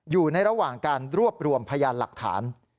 อยู่ในระหว่างการรวบรวมพยานหลักฐาน